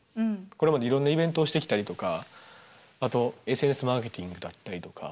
これまでいろんなイベントをしてきたりとかあとＳＮＳマーケティングだったりとか。